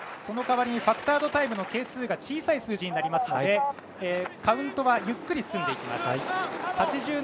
その代わりにファクタードタイムの係数が小さい数字になりますのでカウントはゆっくり進みます。